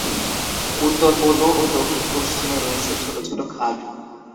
উত্তর-পূর্ব ও দক্ষিণ-পশ্চিমে রয়েছে ছোট ছোট খাদ।